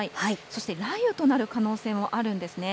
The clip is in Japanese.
そして雷雨となる可能性もあるんですね。